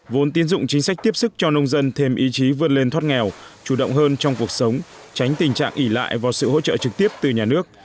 vốn tiến dụng chính sách tiếp sức cho nông dân thêm ý chí vươn lên thoát nghèo chủ động hơn trong cuộc sống tránh tình trạng ỉ lại vào sự hỗ trợ trực tiếp từ nhà nước